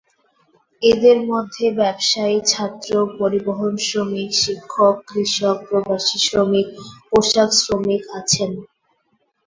এঁদের মধ্যে ব্যবসায়ী, ছাত্র, পরিবহনশ্রমিক, শিক্ষক, কৃষক, প্রবাসী শ্রমিক, পোশাকশ্রমিক আছেন।